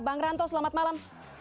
bang ranto selamat malam